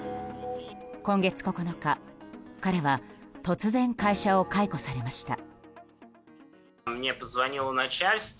今月９日、彼は突然会社を解雇されました。